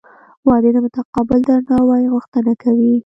• واده د متقابل درناوي غوښتنه کوي.